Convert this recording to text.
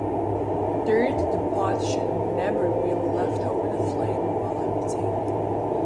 Third, the pot should never be left over the flame while empty.